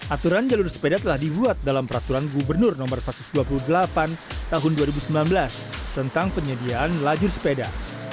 aturan jalur sepeda telah dibuat dalam peraturan gubernur no satu ratus dua puluh delapan tahun dua ribu sembilan belas tentang penyediaan lajur sepeda